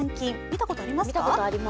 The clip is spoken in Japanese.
見たことありますか？